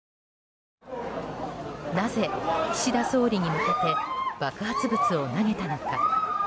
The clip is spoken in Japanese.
なぜ岸田総理に向けて爆発物を投げたのか。